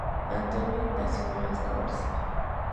Antonio Ignacio Velasco García.